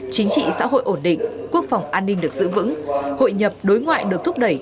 chính trị xã hội ổn định quốc phòng an ninh được giữ vững hội nhập đối ngoại được thúc đẩy